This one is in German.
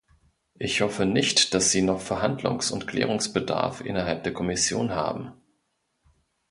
Ich hoffe nicht, dass Sie noch Verhandlungs- und Klärungsbedarf innerhalb der Kommission haben.